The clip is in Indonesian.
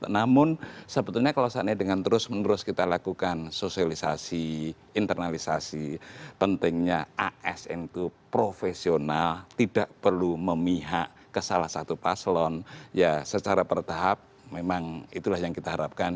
namun sebetulnya kalau seandainya dengan terus menerus kita lakukan sosialisasi internalisasi pentingnya asn itu profesional tidak perlu memihak ke salah satu paslon ya secara bertahap memang itulah yang kita harapkan